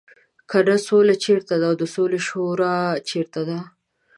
کنه سوله چېرته ده او د سولې شورا چېرته ده.